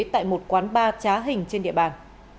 tại một quán ba trá hình trên địa bàn